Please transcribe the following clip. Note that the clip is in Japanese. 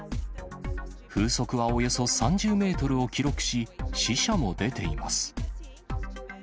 風速はおよそ３０メートルを記録し、死者も出ています。